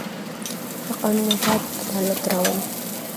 د قانون اطاعت عدالت راولي